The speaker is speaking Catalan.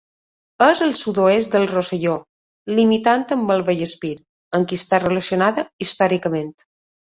És al sud-oest del Rosselló limitant amb el Vallespir, amb qui està relacionada històricament.